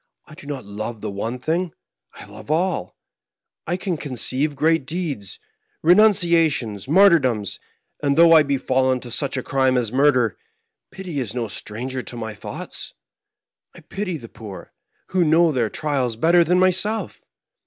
I do not love the one thing : I love alL I can conceive great deeds, renunciations, martyrdoms, and though I be fallen to such a crime as murder, pity is no stranger to my thoughts. I pity the poor; who knows their trials better than myself